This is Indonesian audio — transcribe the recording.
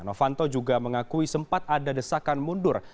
novanto juga mengakui sempat ada desakan mundur